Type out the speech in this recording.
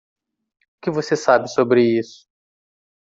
O que você sabe sobre isso?